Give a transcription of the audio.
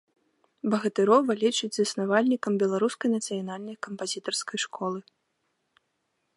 Багатырова лічаць заснавальнікам беларускай нацыянальнай кампазітарскай школы.